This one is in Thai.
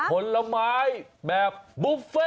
ผลไม้แบบบุฟเฟ่